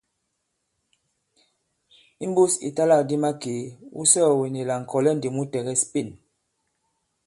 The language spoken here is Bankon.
Imbūs ìtalâkdi makèe , wu sɔ̀ɔ̀wene la ŋ̀kɔ̀lɛ ndī mu tɛ̀gɛs Pên.